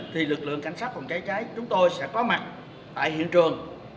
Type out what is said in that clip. thì lực lượng cảnh sát phòng cháy cháy chúng tôi sẽ có mặt tại hiện trường